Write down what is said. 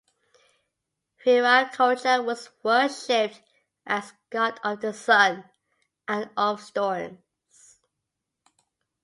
Viracocha was worshipped as god of the sun and of storms.